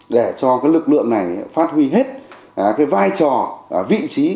để cho cái lực lượng này phát huy hết cái vai trò vị trí